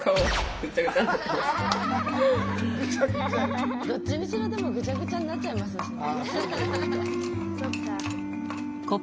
あのどっちにしろでもぐちゃぐちゃになっちゃいますしね。